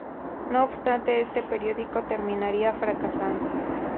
No obstante, este periódico terminaría fracasando.